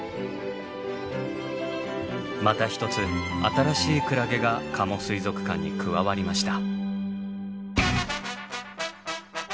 また一つ新しいクラゲが加茂水族館に加わりました。